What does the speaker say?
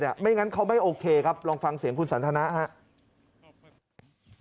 ไม่อย่างนั้นเขาไม่โอเคครับลองฟังเสียงคุณสันธนาภาพ